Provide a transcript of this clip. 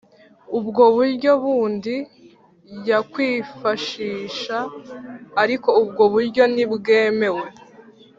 ubwo buryo bundi yakwifashisha ariko ubwo buryo ntibwemewe